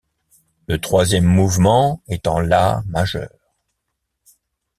Le troisième mouvement est en la majeur.